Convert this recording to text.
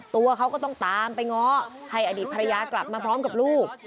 ตัวเขาก็ต้องตามไปง้อให้อดีตภรรยากลับมาพร้อมกับลูก